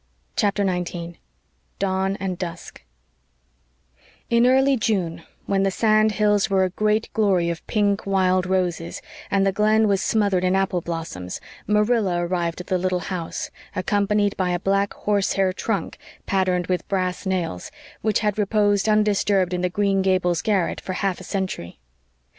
CHAPTER 19 DAWN AND DUSK In early June, when the sand hills were a great glory of pink wild roses, and the Glen was smothered in apple blossoms, Marilla arrived at the little house, accompanied by a black horsehair trunk, patterned with brass nails, which had reposed undisturbed in the Green Gables garret for half a century.